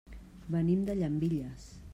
Venim de Llambilles.